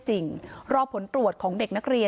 เชิงชู้สาวกับผอโรงเรียนคนนี้